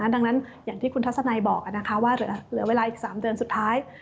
ดังนั้นอย่างที่คุณทัศนัยบอกว่าเหลือเวลาอีก๓เดือนสุดท้าย